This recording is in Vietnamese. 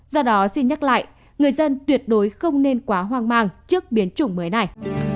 do đó xin nhắc lại người dân tuyệt đối không nên quá hoang mang trước biến chủng mới này